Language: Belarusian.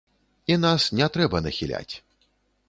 І нас не трэба нахіляць.